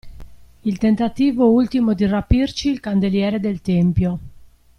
Il tentativo ultimo di rapirci il candeliere del Tempio.